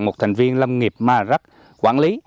một thành viên lâm nghiệp mợt rắc quản lý